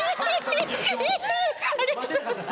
ありがとうございます。